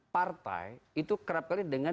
partai itu kerap kali dengan